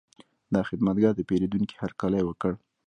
دا خدمتګر د پیرودونکي هرکلی وکړ.